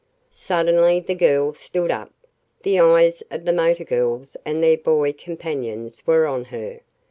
Suddenly the girl stood up. The eyes of the motor girls and their boy companions were on her.